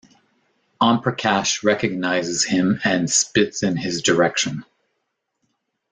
Omprakash recognizes him and spits in his direction.